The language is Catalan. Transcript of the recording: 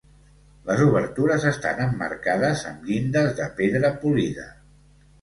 Les obertures estan emmarcades amb llindes de pedra polida.